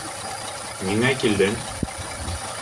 Ниңә килдең?